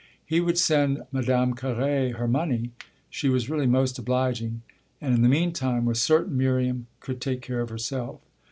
He would send Madame Carré her money she was really most obliging and in the meantime was certain Miriam could take care of herself.